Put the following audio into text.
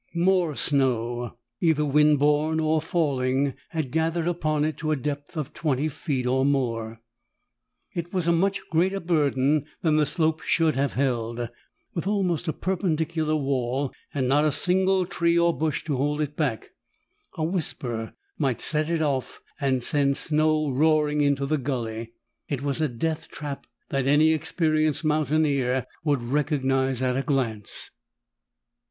More snow, either wind borne or falling, had gathered upon it to a depth of twenty feet or more. It was a much greater burden than the slope should have held. With almost a perpendicular wall, and not a single tree or bush to hold it back, a whisper might set it off and send snow roaring into the gulley. It was a death trap that any experienced mountaineer would recognize at a glance.